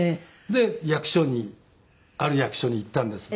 で役所にある役所に行ったんです。